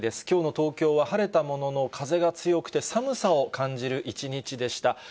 きょうの東京は晴れたものの、風が強くて寒さを感じる一日でした。